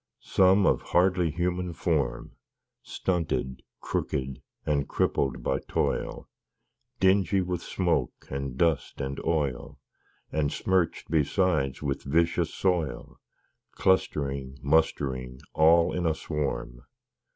Some, of hardly human form, Stunted, crooked, and crippled by toil; Dingy with smoke and dust and oil, And smirch'd besides with vicious soil, Clustering, mustering, all in a swarm.